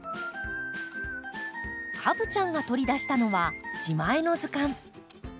カブちゃんが取り出したのは自前の図鑑。